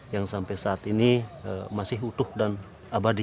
yang sampai saat ini masih utuh dan abadi